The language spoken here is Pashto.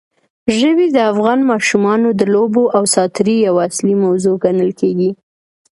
ژبې د افغان ماشومانو د لوبو او ساتېرۍ یوه اصلي موضوع ګڼل کېږي.